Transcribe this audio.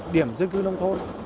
điểm dân cư nông thôn